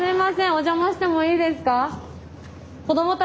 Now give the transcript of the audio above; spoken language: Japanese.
お邪魔してもいいですか？